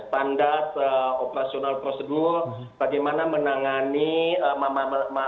standar operasional procedural bagaimana menangani mamalia laut